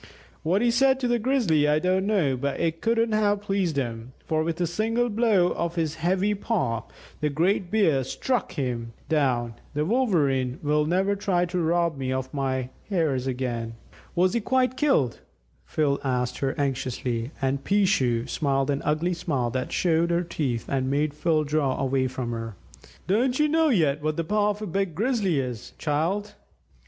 What he said to the Grizzly I don't know, but it couldn't have pleased him, for with a single blow of his heavy paw the great Bear struck him down. That Wolverene will never try to rob me of my Hares again!" "Was he quite killed?" Phil asked her anxiously, and "Peeshoo" smiled an ugly smile that showed her teeth and made Phil draw away from her. "Don't you know yet what the paw of a big Grizzly is, child?